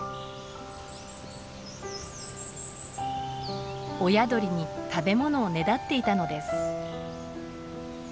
親鳥に食べ物をねだっていたのです。